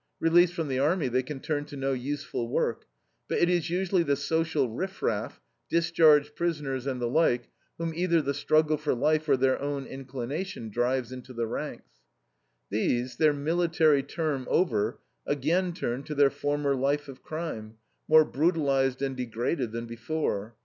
Released from the army, they can turn to no useful work. But it is usually the social riff raff, discharged prisoners and the like, whom either the struggle for life or their own inclination drives into the ranks. These, their military term over, again turn to their former life of crime, more brutalized and degraded than before.